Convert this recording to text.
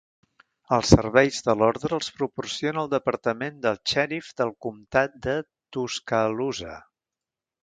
Els serveis de l'ordre els proporciona el departament del xèrif del comtat de Tuscaloosa.